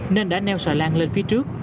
nên đã neo xà lan lên phía trước